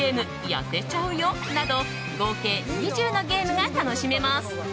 「やせちゃうよ？」など合計２０のゲームが楽しめます。